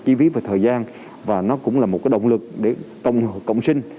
chi phí về thời gian và nó cũng là một cái động lực để cộng sinh